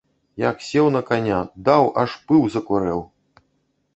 Як сеў на каня, даў, аж пыл закурэў!